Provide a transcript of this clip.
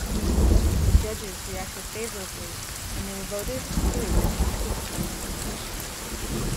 The judges reacted favourably and they were voted through to continue in the competition.